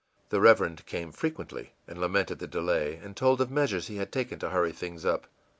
The Reverend came frequently and lamented the delay, and told of measures he had taken to hurry things up.